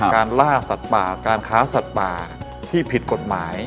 ล่าสัตว์ป่าการค้าสัตว์ป่าที่ผิดกฎหมาย